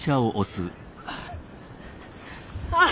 あっ！